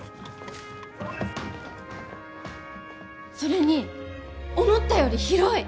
それに思ったより広い！